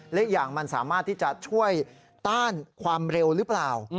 และอีกอย่างมันสามารถที่จะช่วยต้านความเร็วหรือเปล่า